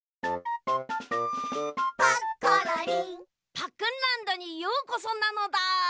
パックンランドにようこそなのだ！